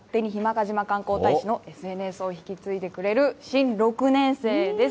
賀島観光大使のＳＮＳを引き継いでくれる新６年生です。